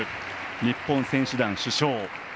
日本選手団主将。